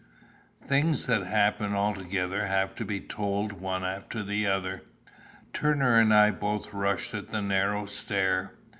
Things that happen altogether have to be told one after the other. Turner and I both rushed at the narrow stair.